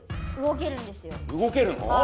動けるの？